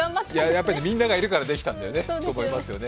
やっぱりみんながいるからできたんだと思いますよね。